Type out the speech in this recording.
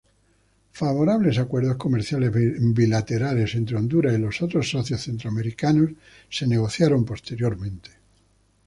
Favorables acuerdos comerciales bilaterales entre Honduras y los otros socios centroamericanos se negociaron posteriormente.